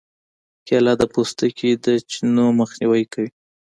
کېله د پوستکي د چینو مخنیوی کوي.